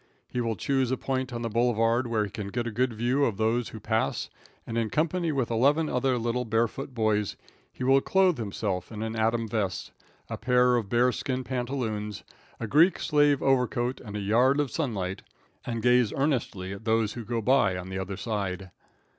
He will choose a point on the boulevard, where he can get a good view of those who pass, and in company with eleven other little barefoot boys, he will clothe himself in an Adam vest, a pair of bare skin pantaloons, a Greek slave overcoat and a yard of sunlight, and gaze earnestly at those who go by on the other side.